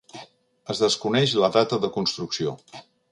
Es desconeix la data de construcció.